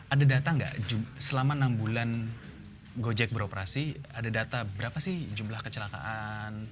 ada data nggak selama enam bulan gojek beroperasi ada data berapa sih jumlah kecelakaan